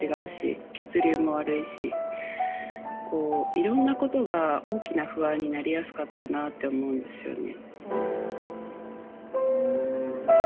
いろんなことが大きな不安になりやすかったなって思うんですよね